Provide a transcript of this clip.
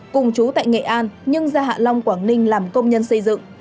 cùng chú tại nghệ an nhưng ra hạ long quảng ninh làm công nhân xây dựng